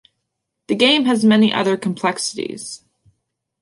The game has many other complexities.